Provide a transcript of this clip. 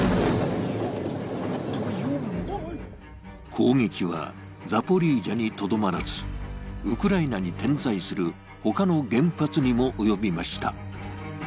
攻撃はザポリージャにとどまらず、ウクライナに点在する他の原発にも及びました。